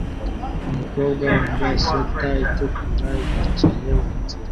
Umukobwa wambaye swater itukura yicaye munzira